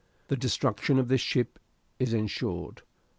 The destruction of this ship is ensured.